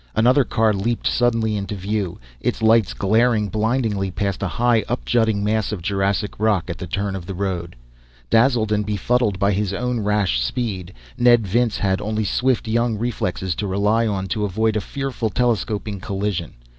Another car leaped suddenly into view, its lights glaring blindingly past a high, up jutting mass of Jurassic rock at the turn of the road. Dazzled, and befuddled by his own rash speed, Ned Vince had only swift young reflexes to rely on to avoid a fearful, telescoping collision.